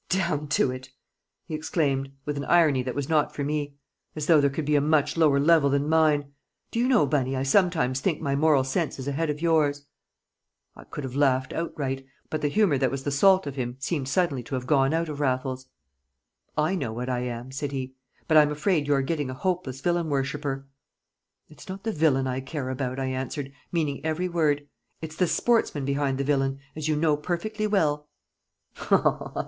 "Down to it!" he exclaimed, with an irony that was not for me. "As though there could be a much lower level than mine! Do you know, Bunny, I sometimes think my moral sense is ahead of yours?" I could have laughed outright; but the humour that was the salt of him seemed suddenly to have gone out of Raffles. "I know what I am," said he, "but I'm afraid you're getting a hopeless villain worshipper!" "It's not the villain I care about," I answered, meaning every word. "It's the sportsman behind the villain, as you know perfectly well."